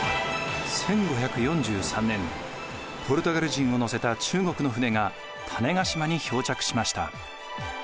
１５４３年ポルトガル人を乗せた中国の船が種子島に漂着しました。